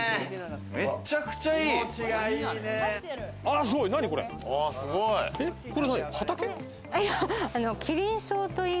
めちゃくちゃいい！